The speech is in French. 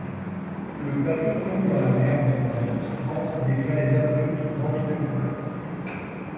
Le plateau tombe dans la mer environnante en des falaises abruptes remplies de crevasses.